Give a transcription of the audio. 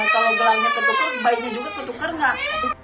kalau gelangnya tertukar bayinya juga tertukar enggak